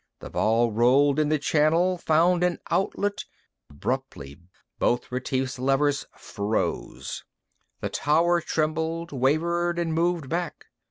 The ball rolled in the channel, found an outlet Abruptly, both Retief's levers froze. The tower trembled, wavered and moved back.